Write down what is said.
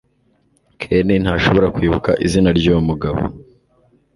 Ken ntashobora kwibuka izina ryuwo mugabo